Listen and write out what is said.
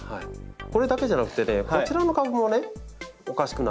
これだけじゃなくてねこちらの株もねおかしくなってきてるんですね。